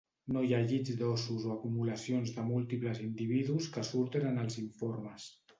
No hi ha llits d'ossos o acumulacions de múltiples individus que surten en els informes.